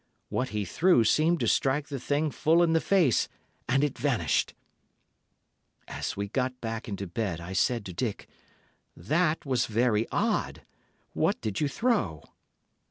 What he threw seemed to strike the thing full in the face, and it vanished. As we got back into bed, I said to Dick, 'That was very odd! What did you throw?